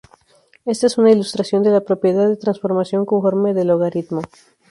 Esta es una ilustración de la propiedad de transformación conforme del logaritmo.